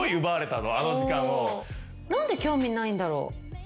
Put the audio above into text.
何で興味ないんだろう。